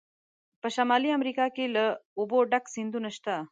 په شمالي امریکا کې له اوبو ډک سیندونه شته.